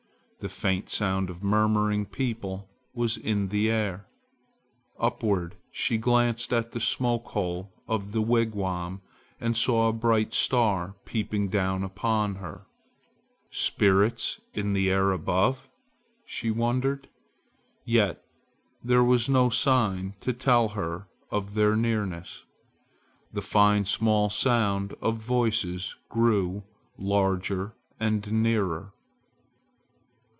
The faint sound of murmuring people was in the air. Upward she glanced at the smoke hole of the wigwam and saw a bright star peeping down upon her. "Spirits in the air above?" she wondered. Yet there was no sign to tell her of their nearness. The fine small sound of voices grew larger and nearer.